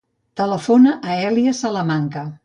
Telefona a l'Èlia Salamanca.